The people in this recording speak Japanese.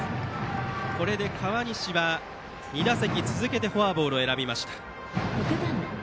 これで河西は２打席続けてフォアボールを選びました。